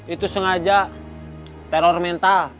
itu sengaja teror mental